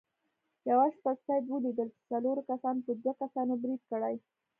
یوه شپه سید ولیدل چې څلورو کسانو په دوو کسانو برید کړی.